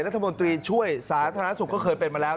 รัฐมนตรีช่วยสาธารณสุขก็เคยเป็นมาแล้ว